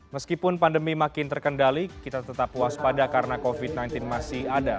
meskipun pandemi makin terkendali kita tetap waspada karena covid sembilan belas masih ada